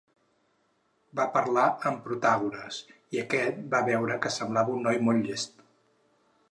Va parlar amb Protàgores, i aquest va veure que semblava un noi molt llest.